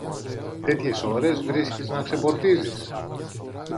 Τέτοιες ώρες βρίσκεις να ξεπορτίζεις;